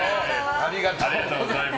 ありがとうございます。